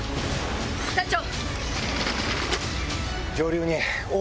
隊長！